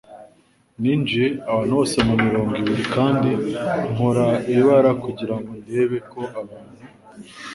Ninjije abantu bose mumirongo ibiri kandi nkora ibara kugirango ndebe ko abantu